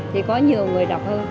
thì có nhiều người đọc hơn